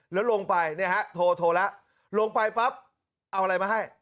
แล้วลงไปเนี่ยฮะโทรแล้วลงไปปั๊บเอาอะไรมาให้